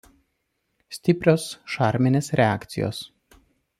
Stiprios šarminės reakcijos.